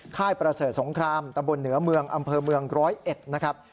ค่ายประเสริฐสงครามตำบลเหนือเมืองอำเภอเมืองร้อยเอ็ดนะครับ